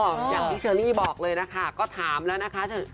อย่างที่เชอรี่บอกเลยนะคะก็ถามแล้วนะคะ